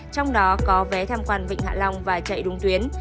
trong đó có vé tham quan vịnh hạ long và chạy đúng tuyến